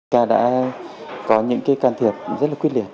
ta đã có những cái can thiệp rất là quyết liệt